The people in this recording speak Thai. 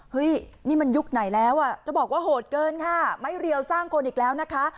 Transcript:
เฮ้ยนี่มันยุคไหนแล้วอ่ะจะบอกว่าโหดเกินค่ะไม่เรียวสร้างคนอีกแล้วนะคะ